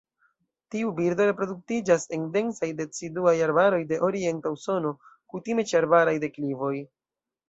Tiu birdo reproduktiĝas en densaj deciduaj arbaroj de orienta Usono, kutime ĉe arbaraj deklivoj.